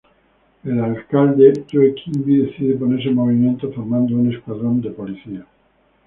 El alcalde Joe Quimby decide ponerse en movimiento formando un Escuadrón de Policías.